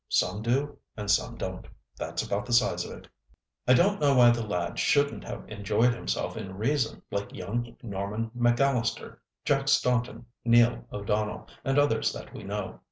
"Some do, and some don't, that's about the size of it. I don't know why the lad shouldn't have enjoyed himself in reason like young Norman McAllister, Jack Staunton, Neil O'Donnell, and others that we know.